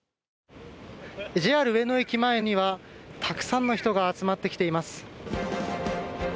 ＪＲ上野駅前にはたくさんの人が集まってきています。